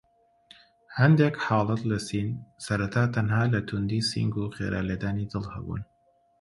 هەندێک حاڵەت لە سین سەرەتا تەنها لە توندی سینگ و خێرا لێدانی دڵ هەبوون.